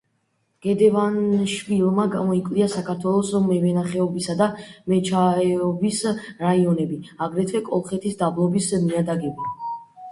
გედევანიშვილმა გამოიკვლია საქართველოს მევენახეობისა და მეჩაიეობის რაიონები, აგრეთვე კოლხეთის დაბლობის ნიადაგები.